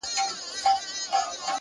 د لرې تندر غږ د ذهن توجه له منځه یوسي!.